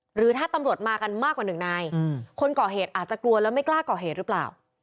หรือถ้าตำรวจมากันมากกว่าหนึ่งนายคนก่อเหตุอาจจะกลัวแล้วไม่กล้าก่อเหตุหรือเปล่า